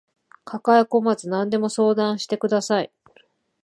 抱えこまず何でも相談してください